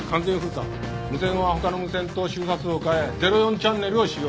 無線はほかの無線と周波数を変え０４チャンネルを使用。